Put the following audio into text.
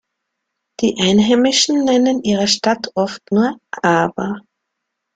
Die Einheimischen nennen ihre Stadt oft nur "Aber".